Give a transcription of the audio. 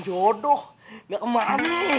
jodoh nggak kemaren nih